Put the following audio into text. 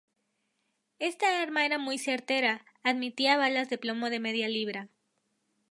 Esta arma era muy certera: admitía balas de plomo de media libra.